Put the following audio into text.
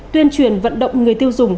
tuyên truyền vận động người tiêu dùng